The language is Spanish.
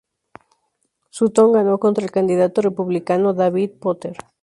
Sutton ganó contra el candidato republicano David Potter.